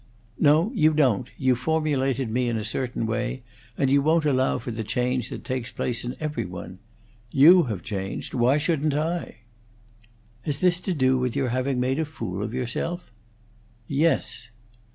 "No; you don't. You formulated me in a certain way, and you won't allow for the change that takes place in every one. You have changed; why shouldn't I?" "Has this to do with your having made a fool of yourself?" "Yes."